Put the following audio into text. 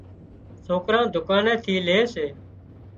سوڪران ڌُڪاني ٿي لي سي